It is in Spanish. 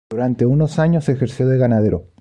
Durante unos años ejerció de ganadero.